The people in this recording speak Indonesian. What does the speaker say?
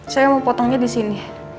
saya mau potongnya disini